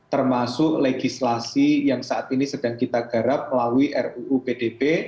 termasuk legislasi yang saat ini sedang kita garap melalui ruu pdb